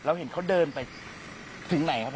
เห็นเขาเดินไปถึงไหนครับ